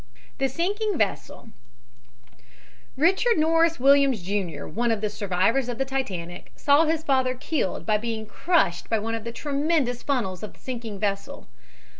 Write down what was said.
THE SINKING VESSEL Richard Norris Williams, Jr., one of the survivors of the Titanic, saw his father killed by being crushed by one of the tremendous funnels of the sinking vessel.